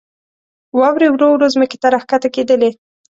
واورې ورو ورو ځمکې ته راکښته کېدلې.